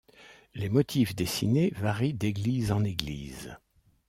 Les motifs dessinés varient d'église en église.